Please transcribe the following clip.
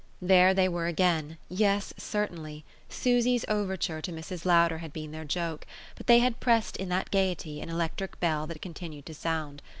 There they were again yes, certainly: Susie's overture to Mrs. Lowder had been their joke, but they had pressed in that gaiety an electric bell that continued to sound.